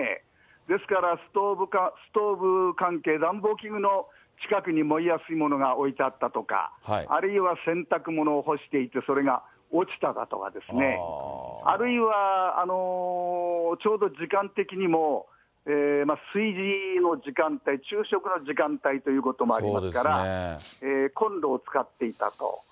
ですから、ストーブ関係、暖房器具の近くに燃えやすいものが置いてあったとか、あるいは洗濯物を干していて、それが落ちただとか、あるいはちょうど時間的にも炊事の時間帯、昼食の時間帯ということもありますから、コンロを使っていたと。